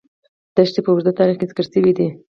دښتې په اوږده تاریخ کې ذکر شوې.